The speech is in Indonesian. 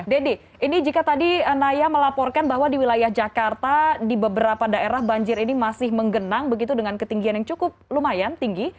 dedy ini jika tadi naya melaporkan bahwa di wilayah jakarta di beberapa daerah banjir ini masih menggenang begitu dengan ketinggian yang cukup lumayan tinggi